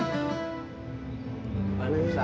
bagaimana ini pak yaak